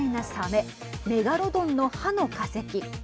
メガロドンの歯の化石。